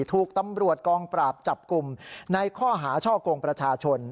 ถูกตำรวจกองปราบจับกลุ่มในข้อหาช่อกงประชาชน